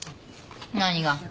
何が？